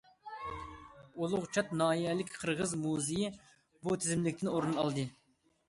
ئۇلۇغچات ناھىيەلىك قىرغىز مۇزېيى بۇ تىزىملىكتىن ئورۇن ئالدى.